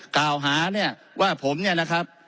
กล่าวหาเนี่ยว่าผมเนี่ยนะครับ